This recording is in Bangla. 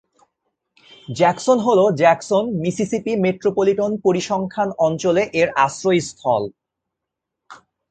জ্যাকসন হল জ্যাকসন, মিসিসিপি মেট্রোপলিটন পরিসংখ্যান অঞ্চলে এর আশ্রয়স্থল।